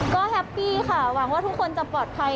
ก็แฮปปี้ค่ะหวังว่าทุกคนจะปลอดภัย